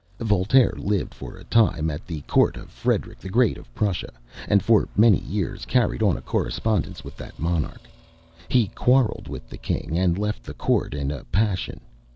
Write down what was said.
Voltaire lived for a time at the Court of Frederick the Great of Prussia, and for many years carried on a correspondence with that monarch. He quarrelled with the king, and left the court in a passion.